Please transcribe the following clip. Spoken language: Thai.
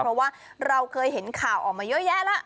เพราะว่าเราเคยเห็นข่าวออกมาเยอะแยะแล้ว